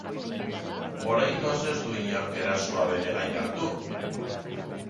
Oraingoz ez du inork erasoa bere gain hartu.